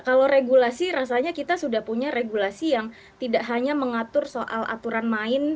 kalau regulasi rasanya kita sudah punya regulasi yang tidak hanya mengatur soal aturan main